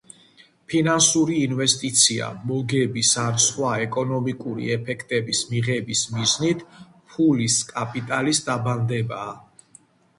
ფინანსური ინვესტიცია, მოგების ან სხვა ეკონომიკური ეფექტის მიღების მიზნით ფულის, კაპიტალის დაბანდებაა